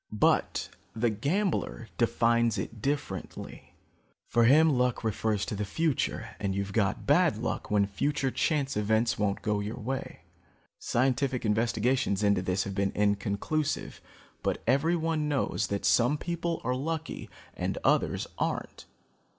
But the gambler defines it differently. For him, luck refers to the future, and you've got bad luck when future chance events won't go your way. Scientific investigations into this have been inconclusive, but everyone knows that some people are lucky and others aren't.